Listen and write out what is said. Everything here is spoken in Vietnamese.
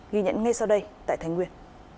ghi nhận ngay sau đây tại thái nguyên